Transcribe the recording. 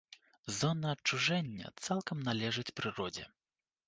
Зона адчужэння цалкам належыць прыродзе.